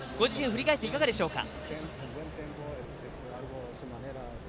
振り返っていかがでしょうか。